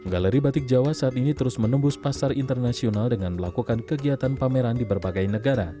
galeri batik jawa saat ini terus menembus pasar internasional dengan melakukan kegiatan pameran di berbagai negara